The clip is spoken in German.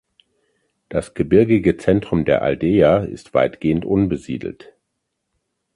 Das gebirgige Zentrum der Aldeia ist weitgehend unbesiedelt.